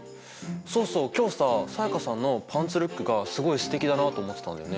そうそう今日さ才加さんのパンツルックがすごいすてきだなあと思ってたんだよね。